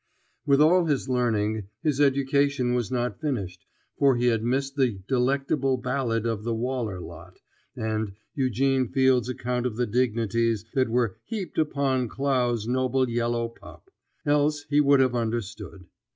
With all his learning, his education was not finished, for he had missed the "delectable ballad of the Waller lot" and Eugene Field's account of the dignities that were "heaped upon Clow's noble yellow pup," else he would have understood.